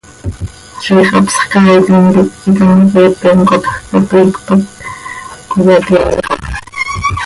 Ziix hapsx caaitim quih icamoqueepe imcotj cap iicp hac cöiyaqueexot.